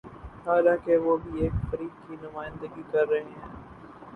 حالانکہ وہ بھی ایک فریق کی نمائندگی کر رہے ہیں۔